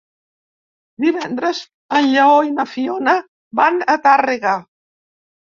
Divendres en Lleó i na Fiona van a Tàrrega.